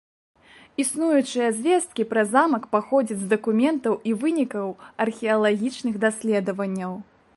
Існуючыя звесткі пра замак паходзяць з дакументаў і вынікаў археалагічных даследаванняў.